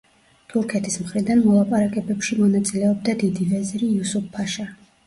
თურქეთის მხრიდან მოლაპარაკებებში მონაწილეობდა დიდი ვეზირი იუსუფ–ფაშა.